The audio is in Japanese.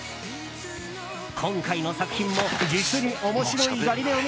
今回の作品も、実に面白い「ガリレオ」